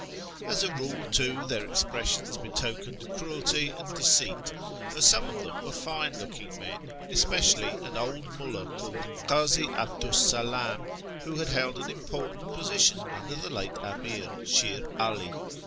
As a rule, too, their expressions betokened cruelty and deceit, though some of them were fine looking men, especially an old rmdld called Kazi 'Abdu 's TEHERAN 113 Salam, who had held an important position under the late Amir, Shir 'Ali.